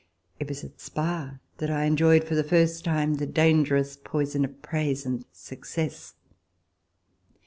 It was at Spa that I en joyed for the first time the dangerous poison of praise and success.